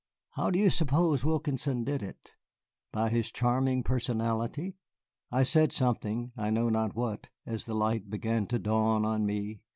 How do you suppose Wilkinson did it? By his charming personality?" I said something, I know not what, as the light began to dawn on me.